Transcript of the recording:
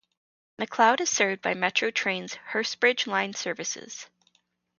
Macleod is served by Metro Trains' Hurstbridge line services.